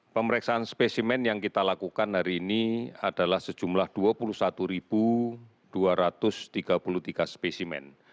pemeriksaan spesimen yang kita lakukan hari ini adalah sejumlah dua puluh satu dua ratus tiga puluh tiga spesimen